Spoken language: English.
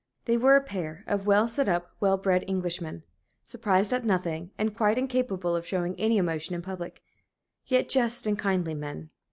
They were a pair of well set up, well bred Englishmen, surprised at nothing, and quite incapable of showing any emotion in public; yet just and kindly men.